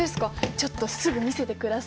ちょっとすぐ見せてくださいよ。